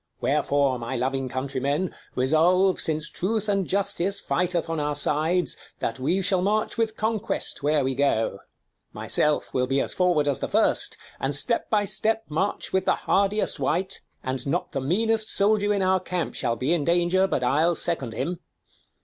Wherefore, my loving countrymen, resolve, Since truth and justice fighteth on our sides, That we shall march with conquest where we go. 96 KING LEIR AND [Acr V Myself will be as forward as the first, 10 And step by step march with the hardiest wight : And not the meanest soldier in our camp Shall be in danger, but I'll second him.